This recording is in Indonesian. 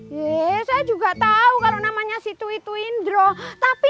iya saya juga tahu kalau namanya situ itu indro tapi